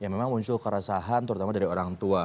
memang muncul kerasahan terutama dari orang tua